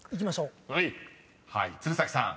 ［鶴崎さん